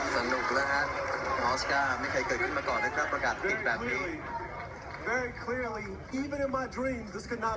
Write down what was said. สนุกเลยฮะออสการ์ไม่เคยเกิดขึ้นมาก่อนนะครับ